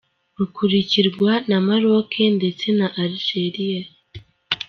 Rukurikirwa na Maroc ndetse na Algérie.